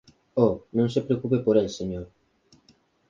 Oh, non se preocupe por el, señor.